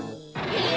え！？